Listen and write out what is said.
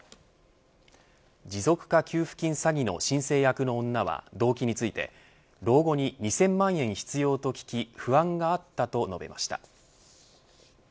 持続化給付金詐欺の申請役の女は動機について老後に２０００万円必要と聞き不安があったと述べました。